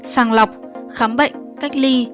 sàng lọc khám bệnh cách ly